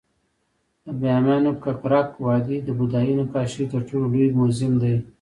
د بامیانو ککرک وادي د بودايي نقاشیو تر ټولو لوی موزیم دی